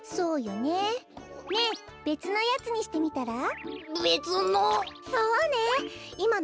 ねえべつのやつにしてみたら？べつの？